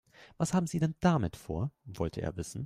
Was haben Sie denn damit vor?, wollte er wissen.